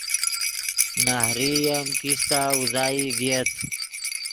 نہریئی ام کیستہ اوزائی ڤییت